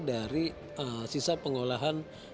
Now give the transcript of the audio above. dari sisa pengolahan